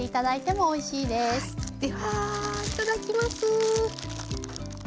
ではいただきます。